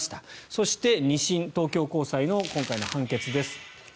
そして、２審東京高裁の今回の判決です。